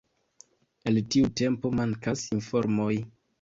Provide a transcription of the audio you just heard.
El tiu tempo mankas informoj.